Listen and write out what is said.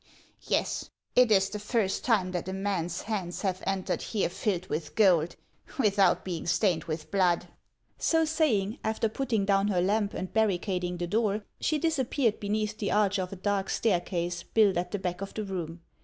Yes, it is the first time that a man's hands have entered here filled with gold, without being stained with blood." So saying, after putting down her lamp and barricading the door, she disappeared beneath the arch of a dark stair case built at the back of the room.